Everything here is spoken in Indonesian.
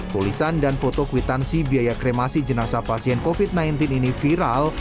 tulisan dan foto kwitansi biaya kremasi jenazah pasien covid sembilan belas ini viral